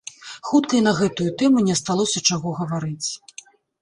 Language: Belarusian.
Хутка і на гэтую тэму не асталося чаго гаварыць.